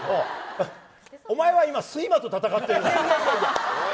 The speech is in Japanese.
お前は今、睡魔と闘ってるな！